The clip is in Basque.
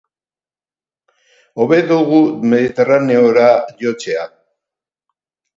Hobe dugu Mediterraneora jotzea.